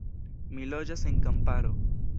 Mi loĝas en kamparo.